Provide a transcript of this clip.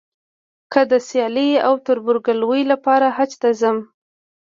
که د سیالۍ او تربورګلوۍ لپاره حج ته ځم.